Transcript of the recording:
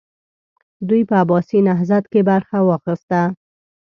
دوی په عباسي نهضت کې برخه واخیسته.